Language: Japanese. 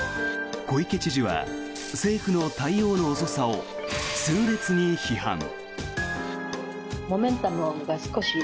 小池知事は政府の対応の遅さを痛烈に批判。